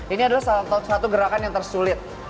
ini adalah salah satu gerakan yang tersulit